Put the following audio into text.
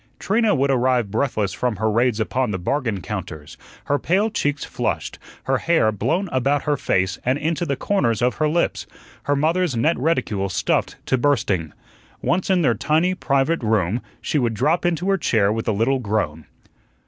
Trina would arrive breathless from her raids upon the bargain counters, her pale cheeks flushed, her hair blown about her face and into the corners of her lips, her mother's net reticule stuffed to bursting. Once in their tiny private room, she would drop into her chair with a little groan.